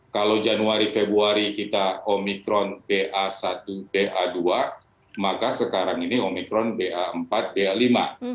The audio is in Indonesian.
kalau januari februari kita omikron da satu da dua maka sekarang ini omikron da empat da lima